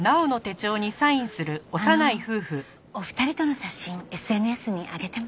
あのお二人との写真ＳＮＳに上げても？